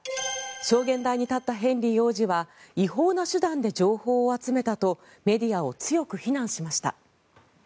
証言台に立ったヘンリー王子は違法な手段で情報を集めたとメディアを強く非難しました。